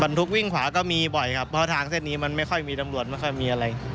ทุกวิ่งขวาก็มีบ่อยครับเพราะทางเส้นนี้มันไม่ค่อยมีตำรวจไม่ค่อยมีอะไร